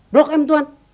blok m tuhan